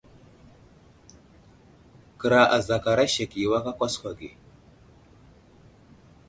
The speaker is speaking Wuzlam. Kəra azakara sek i awak a kwaakwa ge.